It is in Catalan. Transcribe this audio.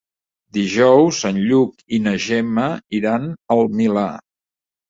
Dijous en Lluc i na Gemma iran al Milà.